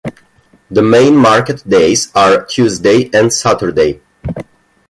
The main market days are Tuesday and Saturday.